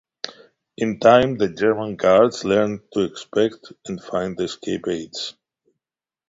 In time the German guards learned to expect and find the escape aids.